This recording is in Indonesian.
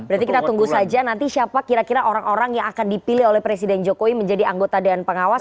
berarti kita tunggu saja nanti siapa kira kira orang orang yang akan dipilih oleh presiden jokowi menjadi anggota dewan pengawas